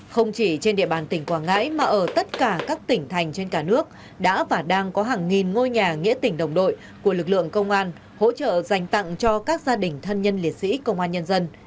không chỉ trên địa bàn tỉnh quảng ngãi mà ở tất cả các tỉnh thành trên cả nước đã và đang có hàng nghìn ngôi nhà nghĩa tỉnh đồng đội của lực lượng công an hỗ trợ dành tặng cho các gia đình thân nhân liệt sĩ công an nhân dân